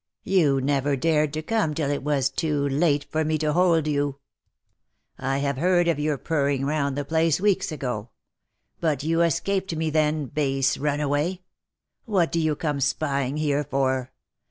You never dared to come till it was too late for me to hold you ! I have heard of your purring round the place weeks ago. But you escaped me then, base runaway ! What do you come spying here for